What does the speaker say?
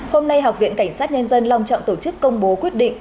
hôm nay học viện cảnh sát nhân dân long trọng tổ chức công bố quyết định